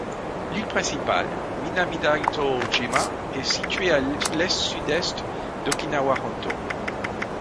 L'île principale, Minamidaitō-jima, est située à à l'est-sud-est d'Okinawa Hontō.